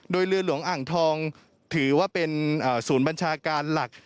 โดยเรือหลวงอ่างทองถือว่าเป็นศูนย์บัญชาการหลัก